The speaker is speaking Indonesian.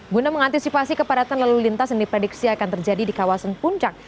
guna mengantisipasi kepadatan lalu lintas yang diprediksi akan terjadi di kawasan puncak